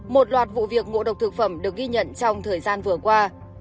một loạt vụ việc ngộ độc thực phẩm được ghi nhận trong thời gian vừa qua